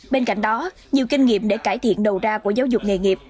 bên cạnh đó nhiều kinh nghiệm để cải thiện đầu ra của giáo dục nghề nghiệp